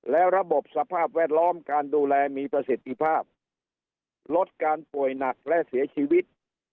และระบบสภาพแวดล้อมการดูแลมีประสิทธิภาพลดการป่วยหนักและเสียชีวิต